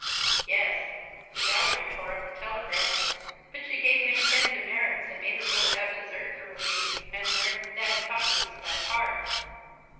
"Yes. The Dowager tore up the telegram. But she gave Mae ten demerits, and made her go without dessert for a week, and learn Thanatopsis by heart.